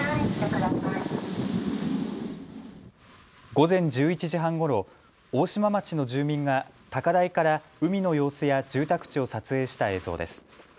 午前１１時半ごろ、大島町の住民が高台から海の様子や住宅地を撮影した映像です。